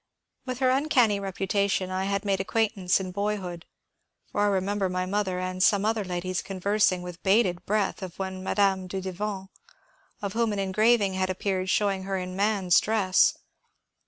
With her uncanny reputation I had made acquaintance in boyhood, for I remember my mother and some other ladies conversing with bated breath of one Madame Dudevant, of whom an engraving had appeared showing her in man's dress.